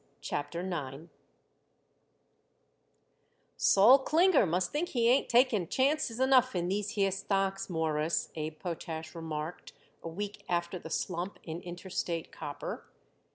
CHAPTER IX "Sol Klinger must think he ain't taking chances enough in these here stocks, Mawruss," Abe Potash remarked a week after the slump in Interstate Copper.